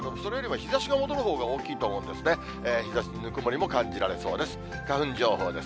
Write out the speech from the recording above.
日ざしのぬくもりも感じられそうです。